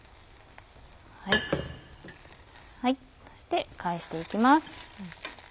そして返して行きます。